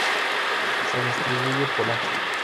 Se distribuye por África.